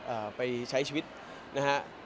เอาไปใช้ชีวิตนะฮะ